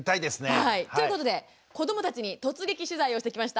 はいということで子どもたちに突撃取材をしてきました。